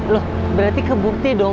loh berarti kebukti dong